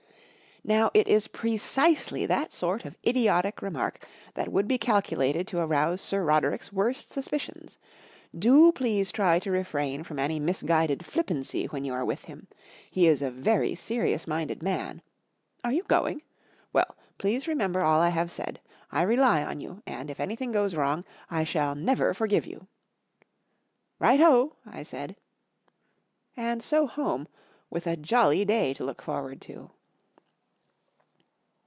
" Now it is precisely that sort of idiotic remark that would be calculated to arouse Sir Roderick's worst suspicions. Do please try to refrain from any misguided flippancy when you are with him. He is a very serious minded man. .. Are you going ? Well, please remember all I have said. I rely on you, and, if anything goes w'rong, I shall never forgive you." " Right ho !" I said. And so home, with a jolly day to look forward to.